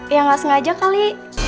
ya gak sengaja kali